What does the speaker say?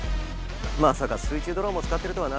まさか水中ドローンも使ってるとはな。